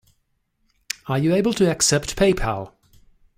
Are you able to accept Paypal?